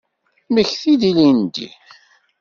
Mmekti-d ilindi.